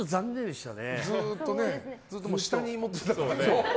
ずっと下に持ってたからね。